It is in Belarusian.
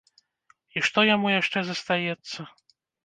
І што яму яшчэ застаецца?